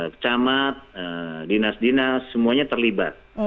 kecamatan dinas dinas semuanya terlibat